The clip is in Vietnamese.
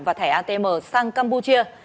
và thẻ atm sang campuchia